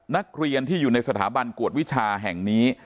นักเรียนที่อยู่ในสถาบันกวดวิชาแห่งนี้